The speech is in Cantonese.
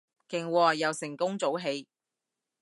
勁喎，又成功早起